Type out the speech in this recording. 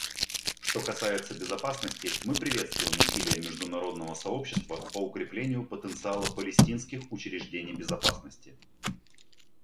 Что касается безопасности, мы приветствуем усилия международного сообщества по укреплению потенциала палестинских учреждений безопасности.